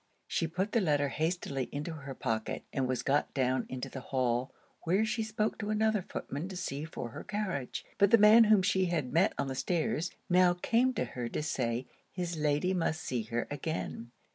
She put the letter hastily into her pocket, and was got down into the hall, where she spoke to another footman to see for her carriage; but the man whom she had met on the stairs, now came to say his Lady must see her again.